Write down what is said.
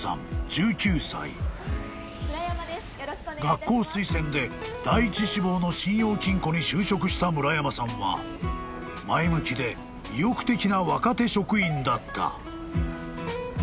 ［学校推薦で第一志望の信用金庫に就職した村山さんは前向きで意欲的な若手職員だった］